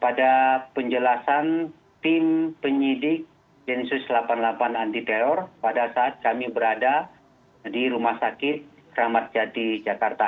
pada penjelasan tim penyidik densus delapan puluh delapan anti teror pada saat kami berada di rumah sakit ramadjati jakarta